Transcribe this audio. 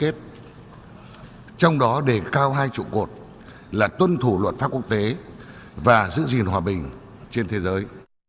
trong đó đề cao hai trụ cột là tuân thủ luật pháp quốc tế và giữ gìn hòa bình trên thế giới